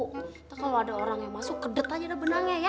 atau kalau ada orang yang masuk kedet aja udah benangnya ya